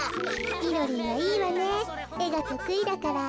みろりんはいいわねえがとくいだから。